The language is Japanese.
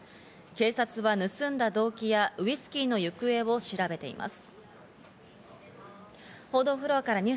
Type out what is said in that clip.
警察は盗んだ動機やウイスキーの行方を調べています。